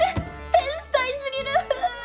天才すぎる！